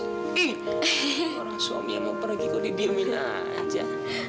hmm orang suami yang mau pergi kok didiemin aja